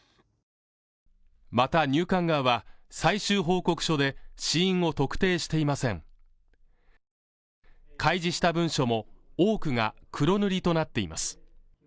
また入管側は最終報告書で死因を特定していません開示した文書も多くが黒塗りとなっています